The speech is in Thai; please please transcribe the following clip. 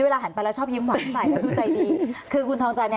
เอาอีกอย่างนั้นฝากคุณทองจัน